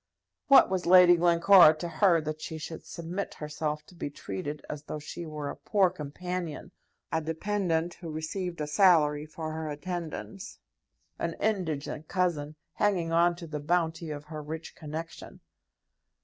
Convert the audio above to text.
What was Lady Glencora to her that she should submit herself to be treated as though she were a poor companion, a dependent, who received a salary for her attendance, an indigent cousin, hanging on to the bounty of her rich connection?